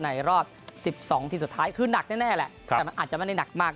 รอบ๑๒ทีมสุดท้ายคือหนักแน่แหละแต่มันอาจจะไม่ได้หนักมาก